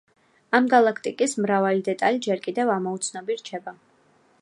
ამ გალაქტიკის მრავალი დეტალი ჯერ კიდევ ამოუცნობი რჩება.